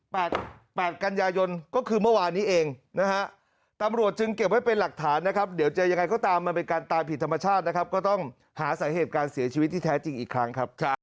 แปดแปดกันยายนก็คือเมื่อวานนี้เองนะฮะตำรวจจึงเก็บไว้เป็นหลักฐานนะครับเดี๋ยวจะยังไงก็ตามมันเป็นการตายผิดธรรมชาตินะครับก็ต้องหาสาเหตุการเสียชีวิตที่แท้จริงอีกครั้งครับ